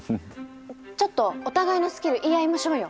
ちょっとお互いのスキル言い合いましょうよ。